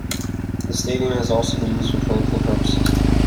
The stadium has also been used for political purposes.